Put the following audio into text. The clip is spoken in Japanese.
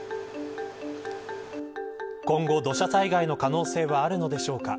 今後、土砂災害の可能性はあるのでしょうか。